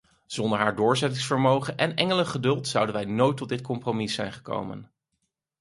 Zonder haar doorzettingsvermogen en engelengeduld zouden wij nooit tot dit compromis zijn gekomen.